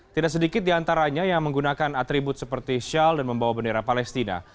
tidak sedikit diantaranya yang menggunakan atribut seperti shawl dan membawa bendera palestina